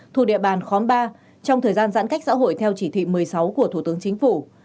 thuộc địa bàn khóm ba trong thời gian giãn cách xã hội theo chỉ thị một mươi sáu của thủ tướng chính phủ